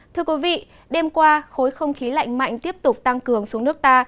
thưa quý vị đêm qua khối không khí lạnh mạnh tiếp tục tăng cường xuống nước ta